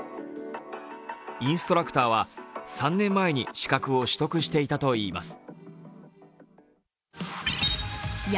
インストラクターは３年前に資格を取得していたといいます。